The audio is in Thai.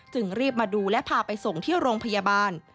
รีบมาดูและพาไปส่งที่โรงพยาบาล